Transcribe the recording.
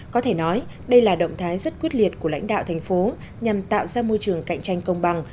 có thể nói đây là động thái rất quyết liệt của lãnh đạo thành phố nhằm tạo ra môi trường cạnh tranh công bằng